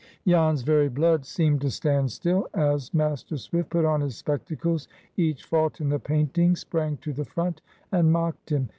Jan's very blood seemed to stand still. As Master Swift put on his spectacles, each fault in the painting sprang to the front and mocked him.